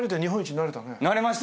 なれました。